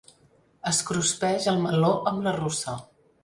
Es cruspeix el meló amb la russa.